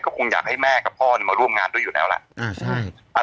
ก็คงอยากให้แม่กับพ่อมาร่วมงานด้วยอยู่แล้วล่ะอ่าใช่